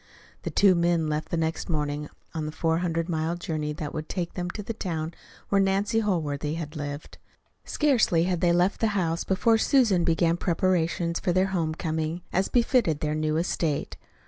The two men left the next morning on the four hundred mile journey that would take them to the town where Nancy Holworthy had lived. Scarcely had they left the house before Susan began preparations for their home coming, as befitted their new estate.